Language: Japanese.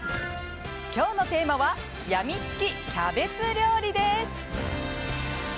今日のテーマはやみつきキャベツ料理です。